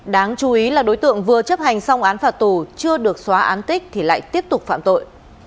đáng chú ý là đối tượng vừa chấp hành xong án phạt tù chưa được xóa án tích thì lại tiếp tục phạm tội